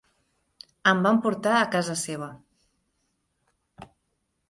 Em van portar a casa seva.